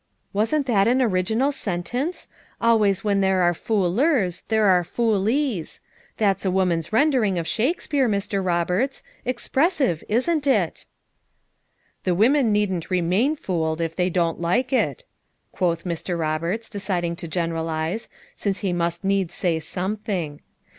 Wasn't that an original sen tence? 'Always when there are fool ers there are fool ies.' That's a woman's rendering of Shakespeare, Mr. Roberts; expressive, isn't it?" "The women needn't remain fooled if they don't like it," quoth Mr. Roberts, deciding to generalize, since he must needs say something.